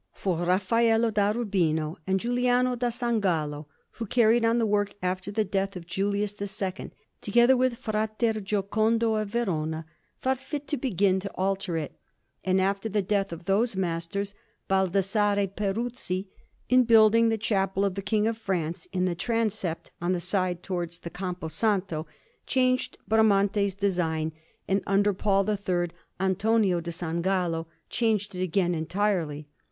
For Raffaello da Urbino and Giuliano da San Gallo, who carried on the work after the death of Julius II, together with Fra Giocondo of Verona, thought fit to begin to alter it; and after the death of those masters, Baldassarre Peruzzi, in building the Chapel of the King of France, in the transept on the side towards the Campo Santo, changed Bramante's design; and under Paul III Antonio da San Gallo changed it again entirely.